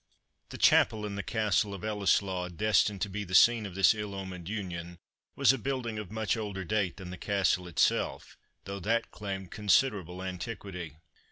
The chapel in the castle of Ellieslaw, destined to be the scene of this ill omened union, was a building of much older date than the castle itself, though that claimed considerable antiquity.